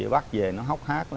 bắt về nó hóc hát